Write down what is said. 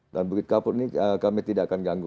dan bukit kapur ini kami tidak akan ganggu